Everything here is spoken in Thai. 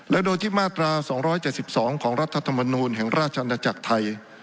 และโดยที่มาตรา๒๗๒ของรัฐธรรมนูลแห่งราชอาณาจักรไทย